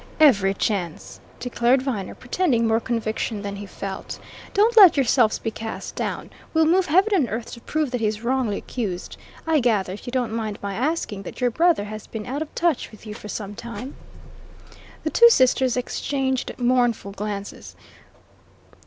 "Every chance!" declared Viner, pretending more conviction than he felt. "Don't let yourselves be cast down. We'll move heaven and earth to prove that he's wrongly accused. I gather if you don't mind my asking that your brother has been out of touch with you for some time?" The two sisters exchanged mournful glances.